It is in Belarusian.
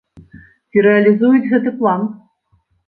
Ці рэалізуюць гэты план?